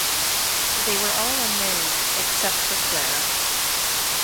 They were all unmarried except for Clara.